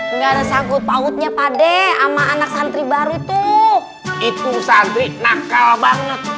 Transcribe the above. enggak sanggup pautnya pade ama anak santri baru itu itu santri nakal banget